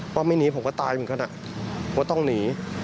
ไม่หนีผมก็ตายเหมือนกันว่าต้องหนี